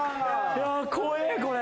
怖えこれ。